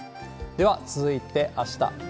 では続いて、あした。